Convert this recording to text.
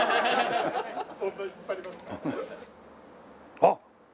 あっ！